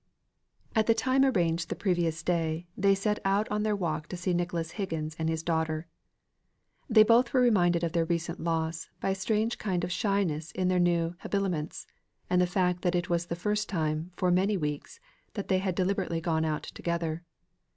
At the time arranged the previous day, they set out on their walk to see Nicholas Higgins and his daughter. They both were reminded of their recent loss, by a strange kind of shyness in their new habiliments, and in the fact that it was the first time, for many weeks, that they had deliberately gone out together.